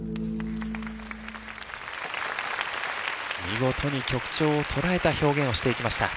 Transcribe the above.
見事に曲調を捉えた表現をしていきました。